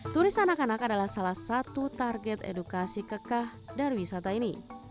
turis anak anak adalah salah satu target edukasi kekah dari wisata ini